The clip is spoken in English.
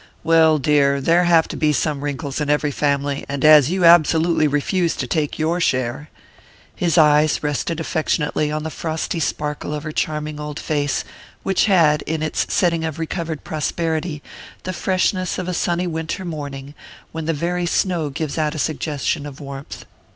"Well, dear, there have to be some wrinkles in every family, and as you absolutely refuse to take your share " His eyes rested affectionately on the frosty sparkle of her charming old face, which had, in its setting of recovered prosperity, the freshness of a sunny winter morning, when the very snow gives out a suggestion of warmth.